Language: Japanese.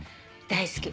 大好き。